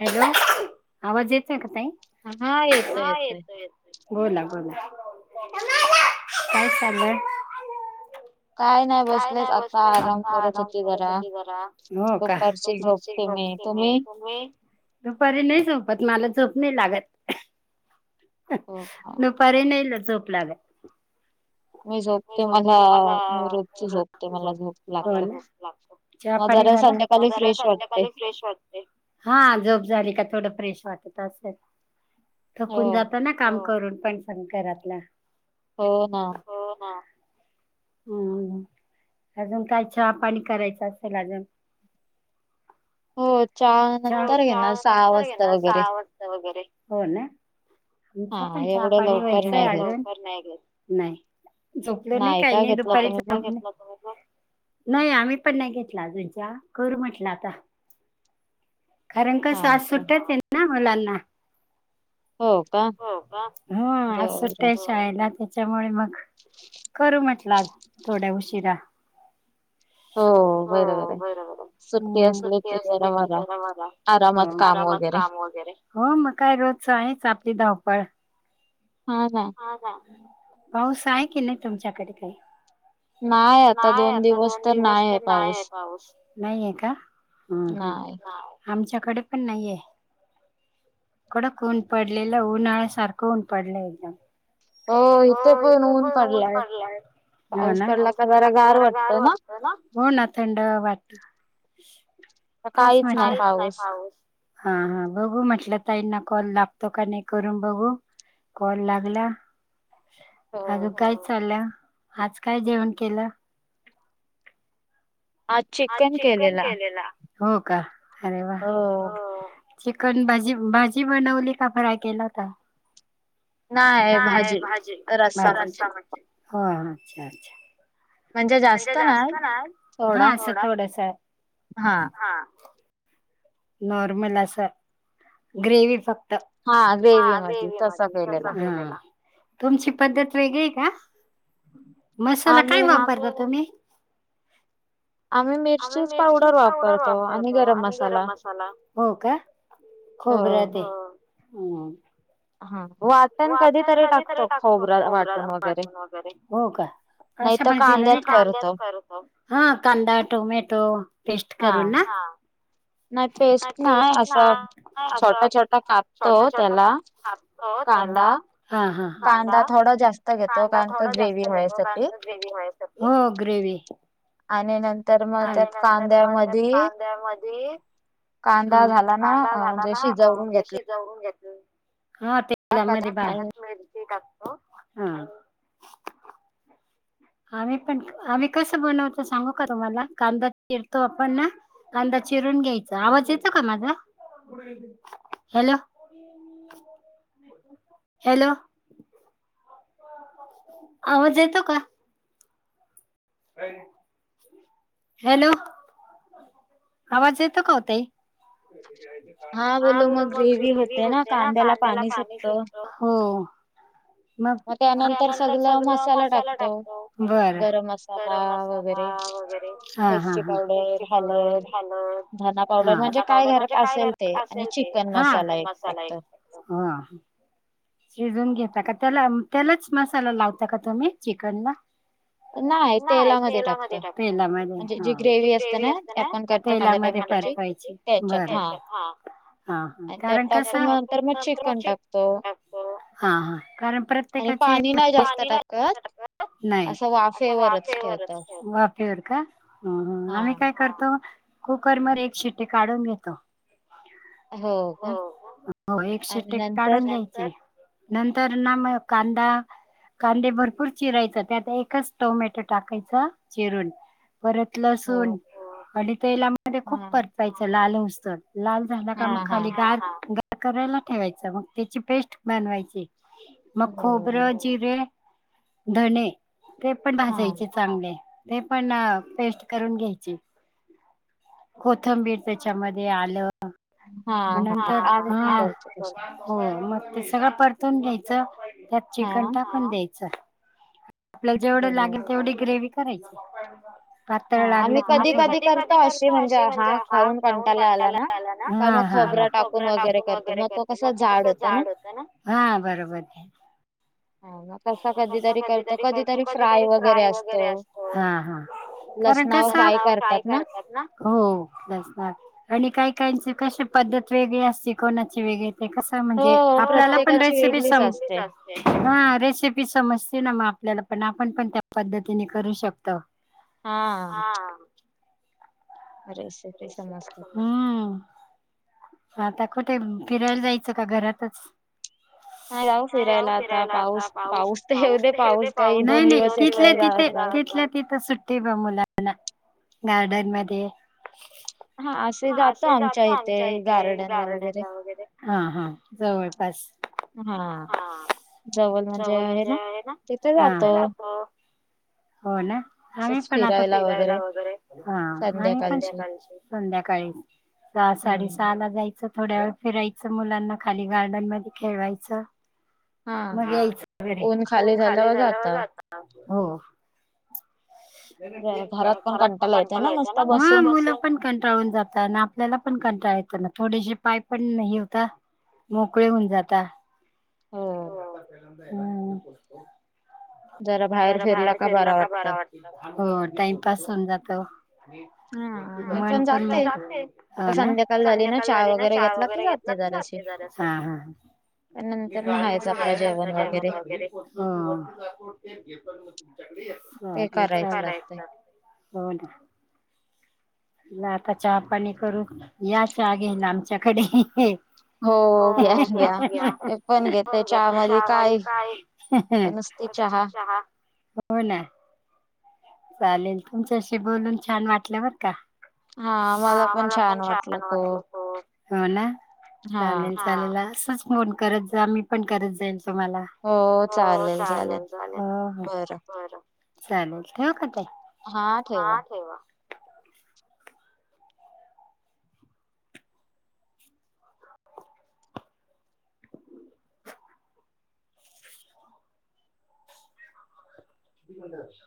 Hello, आवाज येतोय का ताई? हा येतो येतोय. बोला बोला काय चालंय. काय नाही बसलोय आता आराम करत होती. जरा हो का खूप दुपारी नाही झोपत मला झोप नाही लागत दूपारी नाही लागत. झोप लागत. मी झोपते मला चहा पाणी झाला मग जरा संध्याकाळी फ्रेश वाटते. हा झोप झाली का थोड फ्रेश स्टत असेल थकून जात ना काम करून पण संगळ करून आपला हो हो ह हम् अजून काय चहा पाणी करायचं असेल अजून हो चहा नंतर घेणार सहा वाजत वगैरे हो ना. आमचा पण चहा पाणी व्हायचं आहे अजून झोपलो नाही काही नाही दुपारी नाही आम्ही पण नाही घेतला अजून हा करू म्हटलं आता. कारण कसं आज सुट्टी होती. ना मुलांना हो का हो आज सुट्टी आहेत शाळेला तर, त्याच्यामुळे मग करू म्हटलं थोड्या उशिराने हो बर बर सुट्टी असली की जरा बरं आरामात काम वगैरे हो मग काय रोजच आहेच. आपली धावपळ हा ना पाऊस आहे की नाही तुमच्याकडे काय? नाही आता दोन दिवस तर नाही आहे पाऊस नाहीय का. हम हम आमच्याकडे पण नाहीये. कडक ऊन पडलेल उन्हाळ्यासारखं ऊन पडलय एकदम हो इथे पण ऊन पडलाय. हो ना पाऊस पडला की जरा गार वाटत ना हो ना थंडावा वाटतो. तेच म्हटलं काहीच नाही पाऊस हा हा बघू म्हटलं ताईंना कॉल लागतो का नाही करून बघू कॉल लागला. अजून काय चाललं? आज काय जेवण केलं? हा चिकन केलेला. हो का, हो चिकन भजी भाजी बनवली का फ्राय केला होता. नाही भाजी, रस्सा भाजी हो अच्छा अच्छा म्हणजे जास्त नाय हा आस थोडसं, हा नॉर्मल असं ग्रेवी फ क्त हा वेगळी आहे माझी तुमची पद्धत वेगळी आहे. मसाला काय वापरता तुम्ही? आम्ही मिरची पावडर वापरतो आणि गरम मसाला हो का. खोबरं ते हम हम हा [unintelligible] कधीतरी टाकतो खोबरं वाटून वगैरे हो का अशा भाजीला नाही का [unintelligible] कांद्या हा कांदा टोमॅटो पेस्ट करून ना. नाही पेस्ट ना असा छोटा छोटा खात [inaudible] [unintelligible] हा हा. कांदा कांदा थोडा जास्त घेतो कारण का ग्रेव्ही हो ग्रेव्ही. आणि नंतर मग त्या कांद्यामध्ये. कांदा झाला ना म्हणजे शिजवून घेत हा तेलामध्ये [unintelligible] मिरची टाकतो ह [inaudible] आम्ही पण आम्ही कसं बनवतो सांगू का तुम्हाला कांदा चिरतो आपण ना कांदा. चिरून घ्यायच आवाज येतो का माझा हॅलो. हॅलो. आवाज येतो का. हॅलो. आवाज येतो का ओ ताई. हा बर मग गेवी होते ना कांद्याला पाणी सुटत हो. मग त्यानंतर सगल मसाला टाकतो बर. गरम मसाला वैगेरे मिरची पावडर हळद ह ह पावडर म्हणजे काय घरात असेल ते चिकन मसालाय शिजून घेता का त्याला त्यालाच मसाला लावता का तुम्ही चिकनला. नाय तेलामध्ये टाकते. जे ग्रेव्ही असते ना त्या तेलामध्ये परताय वयाची बर हा. कारण कस [unintelligible] ह ह कारण प्रत्येकाची नाय. असं वाफे वाफेवरच वाफेवर का आम्ही काय करतो. कुकर मध्ये एक शिट्टी काढून घेतो. हो एक शिट्टी काढून द्यायची नंतर ना म कांदा. कांदे भरपूर चिरायच त्यात एकच टोमॅटो टाकायच चिरून परत लसून अणी तेलामध्ये खूप परतायचं लाल होउसतर. लाल झाला का मग खाली गार गार करायला ठेवायचा मग त्याची पेस्ट बनवायची म खोबर, जिरे, धणे ते पण भाजायचे चांगले ते पण पेस्ट करून घ्यायचे. कोथंबीर त्याच्यामध्ये आलं म नंतर हो म. ते सगळं परतून घ्यायचं त्यात चिकन टाकून द्यायचं. आपल्या जेवढं लागेल तेवढी ग्रेवी करायची. पातळ लागलं म थोड. आम्ही कधी कधी करत अशी म्हणजे हा खाऊन कंटायला आला ना. हा. हा हा मग खोबर टाकून वगैरे करतो मग तो कसं जाड होतं ना ह बरोबर की. [inaudible] कस कधीतरी करतो कधीतरी फ्राय वगैरे असतो. कारण कस. लसणाव फ्राय करतात ना. हो लसणाव. काही काही कशी पद्धत वेगळे असते कोणाचे वेगळी ते कस म्हणजे आपल्याला पण रेसिपी सम हा रे समजते ना म आपल्याला पण. आपण पण त्या पद्धतीने करू शकतो. हा. हम्म. आता कुठे फिरायला जायचं का घरातच. नाही जाऊ फिरायला आता पाऊस पाऊस येउदे पाऊस. तिथल्या तिथे सुट्टी बा मुलांना गार्डन मध्ये हा असे जातो आमच्या इथे गार्डनला वगैरे. हा हाजवळपास. हा जवल म्हणजे हे आहे ना तीथे जातो. हो ना आम्ही पण आता फिरायला वगैरे ह आम्ही पण संध्याकाळी सहा साडी सहाला जायचं थोड फिरायचं मुलांना खाली गार्डन मध्ये खेळवायचं. मग यायचं घरी ऊन खाली झालंवर जाता. हो. हा मुल पण कंटाळून जात न आपल्या पण कंटाळा येतो ना थोडेसे पाय पण हे होता मोकळे होऊन जाता. हो, हम्म. जरा बाहेर फिरलं का बरा वाटत. हो टाइमपास होऊन जातो. संध्याकाळ झाली ना चहा वगैरे की जाते जरास. हा हा. [unintelligible] हं. [unintelligible] हो ना. आता चहा पाणी करू या चहा घेयला आमच्याकडे. हो घ्या घ्या. मी पण घेतेत चहा मधी काय क नुस ते चहा. चहा. हो ना. चालेल तुमच्याशी बोलून छान वाटलं बरं का. हा मला पण छान वाटलं हो. हो ना चालेल चालेल असंच फन करत जा मी पण करत जाईल. तुम्हाला हो चालेलल चालेल बर. चालेल ठेव का ताई. हा ठेवा. मगच.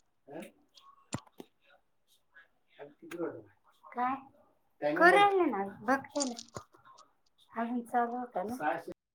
रिकामा ऑडिओ काय कर ना बघ कीं. आ ज चालू होता ना.